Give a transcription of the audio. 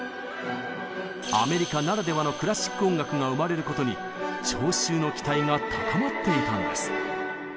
アメリカならではのクラシック音楽が生まれることに聴衆の期待が高まっていたんです。